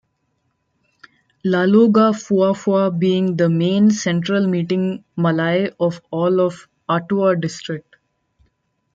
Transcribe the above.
Lalogafuafua being the main central meeting malae of all of Atua district.